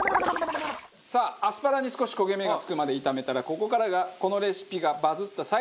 さあアスパラに少し焦げ目がつくまで炒めたらここからがこのレシピがバズった最大のポイント。